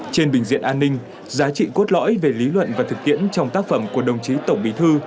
trên bình diện an ninh giá trị cốt lõi về lý luận và thực tiễn trong tác phẩm của đồng chí tổng bí thư